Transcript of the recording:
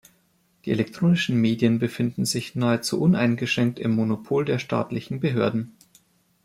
Die elektronischen Medien befinden sich nahezu uneingeschränkt im Monopol der staatlichen Behörden.